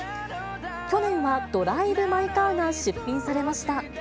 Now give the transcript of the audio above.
去年はドライブ・マイ・カーが出品されました。